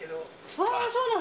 あー、そうなの？